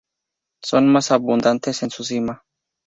Son más abundantes en su cima.